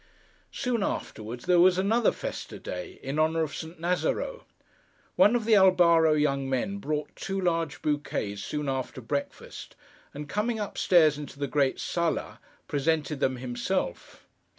Soon afterwards, there was another festa day, in honour of St. Nazaro. One of the Albaro young men brought two large bouquets soon after breakfast, and coming up stairs into the great sala, presented them himself.